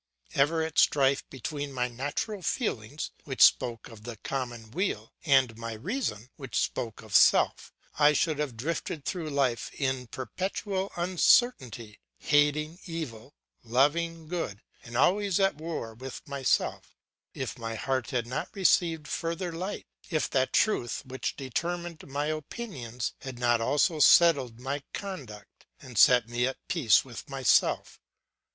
Ever at strife between my natural feelings, which spoke of the common weal, and my reason, which spoke of self, I should have drifted through life in perpetual uncertainty, hating evil, loving good, and always at war with myself, if my heart had not received further light, if that truth which determined my opinions had not also settled my conduct, and set me at peace with myself.